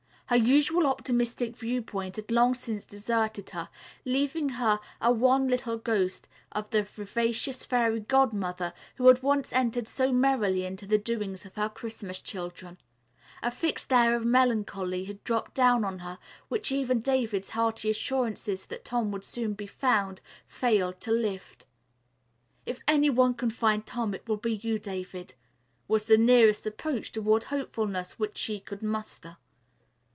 Her usual optimistic viewpoint had long since deserted her, leaving her a wan little ghost of the vivacious Fairy Godmother who had once entered so merrily into the doings of her Christmas children. A fixed air of melancholy had dropped down on her which even David's hearty assurances that Tom would soon be found failed to lift. "If any one can find Tom it will be you, David," was the nearest approach toward hopefulness which she could muster.